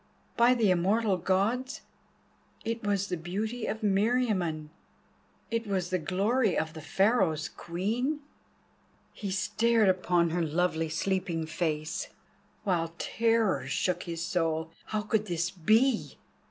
By the Immortal Gods, it was the beauty of Meriamun; it was the glory of the Pharaoh's Queen! He stared upon her lovely sleeping face, while terror shook his soul. How could this be?